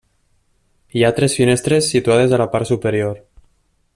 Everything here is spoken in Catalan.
Hi ha tres finestres situades a la part superior.